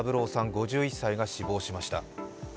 ５１歳が死亡しました。